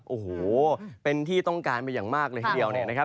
โอ้โหเป็นที่ต้องการมาอย่างมากเลยทีเดียวเนี่ยนะครับ